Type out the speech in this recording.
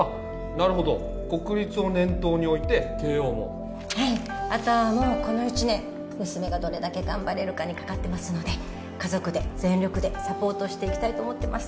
なるほど国立を念頭に置いて慶應もはいあとはもうこの１年娘がどれだけ頑張れるかにかかってますので家族で全力でサポートしていきたいと思ってます